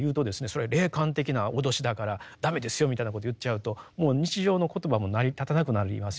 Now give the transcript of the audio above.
それは霊感的な脅しだから駄目ですよみたいなこと言っちゃうともう日常の言葉も成り立たなくなりますよね。